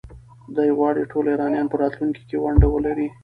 ده غواړي ټول ایرانیان په راتلونکي کې ونډه ولري.